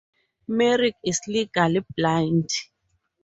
Merrick is legally blind.